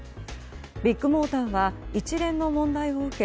ビッグモーターは一連の問題を受け